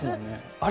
あれ？